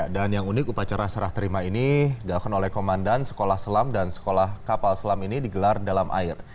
dan yang unik upacara serah terima ini dilakukan oleh komandan sekolah selam dan sekolah kapal selam ini digelar dalam air